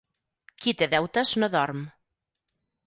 Qui té deutes no dorm.